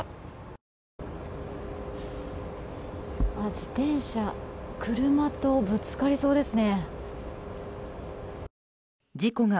自転車車とぶつかりそうですね。